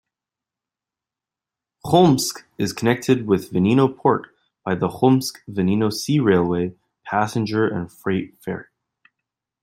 Kholmsk is connected with Vanino port by the Kholmsk-Vanino sea railway passenger-and-freight ferry.